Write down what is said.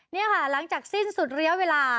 นี่ค่ะหลังจากสิ้นสุดระยะเวลา